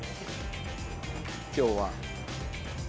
今日は。